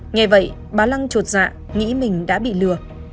nghe vậy bà lăng chuột dạ nghĩ mình đã bị lừa